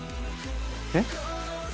えっ？